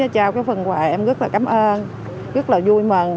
trao phần quà em rất là cảm ơn rất là vui mừng